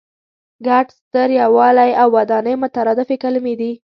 ګډ، ستر، یووالی او ودانۍ مترادفې کلمې دي.